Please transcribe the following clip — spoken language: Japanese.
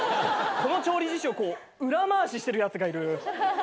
この調理実習をこう裏回ししてるやつがいる。